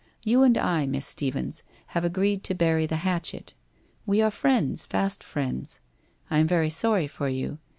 You and I, Miss Stephens, have agreed to bury the hatchet: We are friends, fast friends. I am very sorry for you.